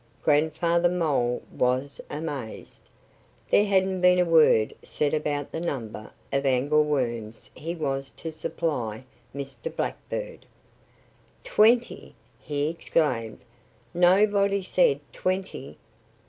Grandfather Mole was amazed. There hadn't been a word said about the number of angleworms he was to supply Mr. Blackbird. "Twenty!" he exclaimed. "Nobody said 'twenty!'"